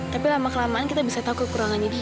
tapi lama kelamaan kita bisa tahu kekurangannya